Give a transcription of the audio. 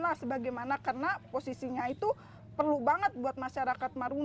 lah sebagaimana karena posisinya itu perlu banget buat masyarakat marunda